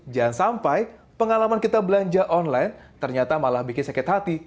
jangan sampai pengalaman kita belanja online ternyata malah bikin sakit hati